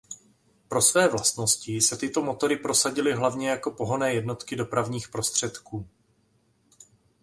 Pro své vlastnosti se tyto motory prosadily hlavně jako pohonné jednotky dopravních prostředků.